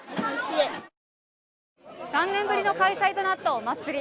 ３年ぶりの開催となったお祭り。